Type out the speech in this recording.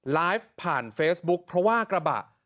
ไลฟ์ผ่านเฟซบุ๊คเพราะว่ากระบะ